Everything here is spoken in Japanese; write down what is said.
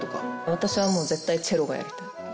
私はもう絶対チェロがやりたい。